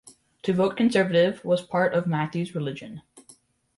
To vote Conservative was part of Matthew’s religion.